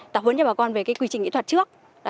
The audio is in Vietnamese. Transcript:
tập hốn cho bà con về quy trình kỹ thuật trước